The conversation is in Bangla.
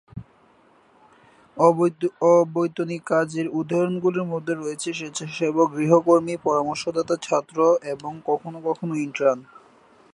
অবৈতনিক কাজের উদাহরণগুলির মধ্যে রয়েছে স্বেচ্ছাসেবক, গৃহকর্মী, পরামর্শদাতা, ছাত্র এবং কখনও কখনও ইন্টার্ন।